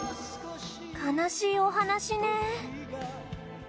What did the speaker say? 悲しいお話ね